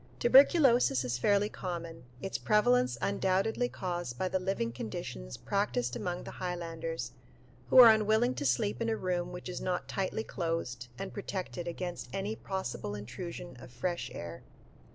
Tuberculosis is fairly common, its prevalence undoubtedly caused by the living conditions practiced among the highlanders, who are unwilling to sleep in a room which is not tightly closed and protected against any possible intrusion of fresh air.